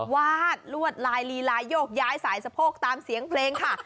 วาดลวดลายลีลายโยกย้ายสายสะโพกตามเสียงเพลงค่ะ